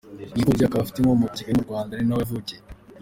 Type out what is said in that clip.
Ni imfubyi akaba afite inkomoko i Kigali mu Rwanda, ari na ho yavukiye.